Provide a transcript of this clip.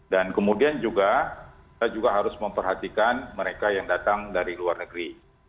dan kemudian juga kita harus memperhatikan mereka yang datang dari luar negeri